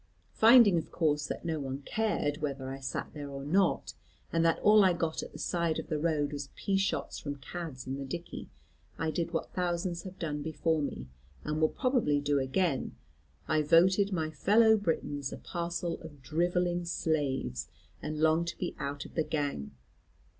Finding of course that no one cared whether I sat there or not, and that all I got at the side of the road was pea shots from cads in the dickey, I did what thousands have done before me, and will probably do again, I voted my fellow Britons a parcel of drivelling slaves, and longed to be out of the gang.